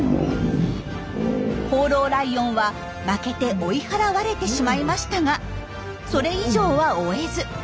放浪ライオンは負けて追い払われてしまいましたがそれ以上は追えず。